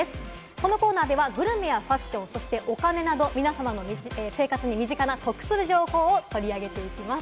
このコーナーではグルメやファッション、お金など皆さんの生活に身近な得する情報を取り上げていきます。